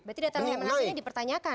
berarti data lemhanasnya dipertanyakan